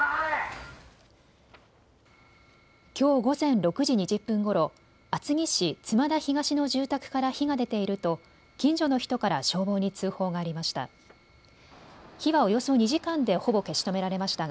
きょう午前６時２０分ごろ厚木市妻田東の住宅から火が出ていると近所の人から消防に通報がありました。